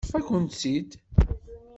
Teṭṭef-akent-tt-id.